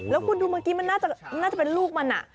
แล้วคุณดูเมื่อกี้มันน่าจะเป็นลูกมัน